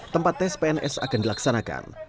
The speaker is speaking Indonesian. tempat tes pns akan dilaksanakan